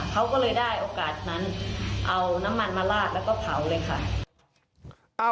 เขาก็เลยได้โอกาสนั้นเอาน้ำมันมาลาดแล้วก็เผาเลยค่ะ